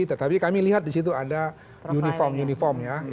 tapi kami lihat disitu ada uniform